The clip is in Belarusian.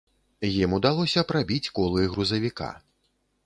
Ім удалося прабіць колы грузавіка.